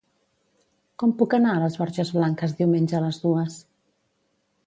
Com puc anar a les Borges Blanques diumenge a les dues?